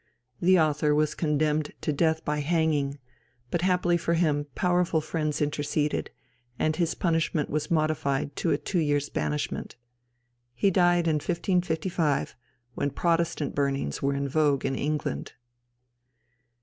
The author was condemned to death by hanging, but happily for him powerful friends interceded, and his punishment was modified to a two years' banishment. He died in 1555, when Protestant burnings were in vogue in England.